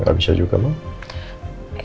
gak bisa juga mak